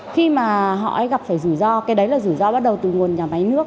khi mà họ gặp phải rủi ro cái đấy là rủi ro bắt đầu từ nguồn nhà máy nước